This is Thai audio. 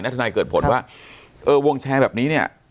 ทนายเกิดผลว่าเออวงแชร์แบบนี้เนี่ย